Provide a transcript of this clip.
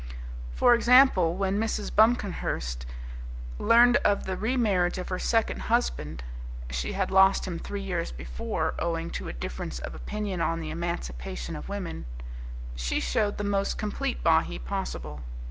For example, when Mrs. Buncomhearst learned of the remarriage of her second husband she had lost him three years before, owing to a difference of opinion on the emancipation of women she showed the most complete Bahee possible.